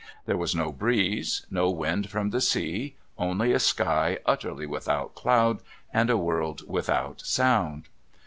There was no breeze, no wind from the sea, only a sky utterly without cloud and a world without sound.